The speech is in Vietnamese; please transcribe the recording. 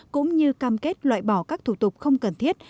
cũng như cam kết loại bỏ các thủ tục không cần thiết